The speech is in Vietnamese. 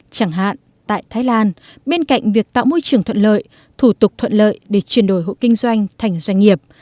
chẳng hạn tại thái lan bên cạnh việc tạo môi trường thuận lợi thủ tục thuận lợi để chuyển đổi hộ kinh doanh thành doanh nghiệp